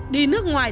đi nước ngoài